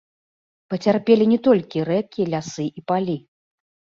Пацярпелі не толькі рэкі, лясы і палі.